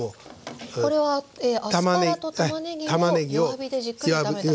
これはアスパラとたまねぎを弱火でじっくり炒めたもの。